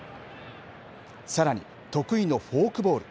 さらに得意のフォークボール。